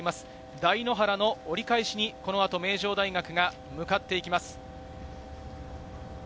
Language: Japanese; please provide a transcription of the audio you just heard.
台原の折り返しにこの後、名城大学が向かっていきます。